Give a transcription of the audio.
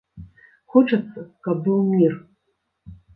Хочацца, каб быў мір.